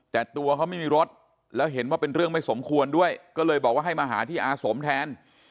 แต่ตัวเขาไม่มีรถแล้วเห็นว่าเป็นเรื่องไม่สมควรด้วยก็เลยบอกว่าให้มาหาที่อาสมแทน